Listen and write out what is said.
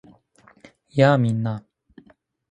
やあ！みんな